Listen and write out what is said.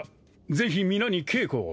ぜひ皆に稽古を。